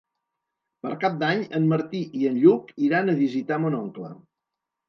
Per Cap d'Any en Martí i en Lluc iran a visitar mon oncle.